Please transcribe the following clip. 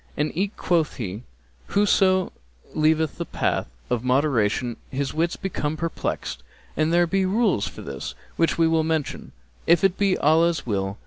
And eke quoth he, 'Whoso leaveth the path of moderation his wits become perplexed'; and there be rules for this which we will mention, if it be Allah's will.